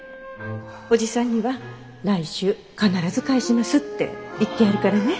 おじさんには来週必ず返しますって言ってあるからね。